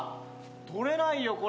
取れないよこれ。